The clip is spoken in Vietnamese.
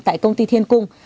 tại công ty thiên cung